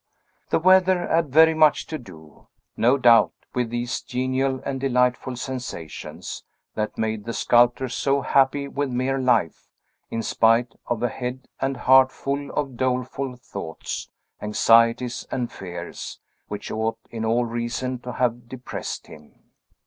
The weather had very much to do, no doubt, with these genial and delightful sensations, that made the sculptor so happy with mere life, in spite of a head and heart full of doleful thoughts, anxieties, and fears, which ought in all reason to have depressed him.